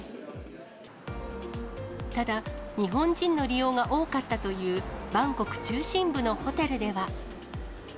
ただ、日本人の利用が多かったというバンコク中心部のホテルでは。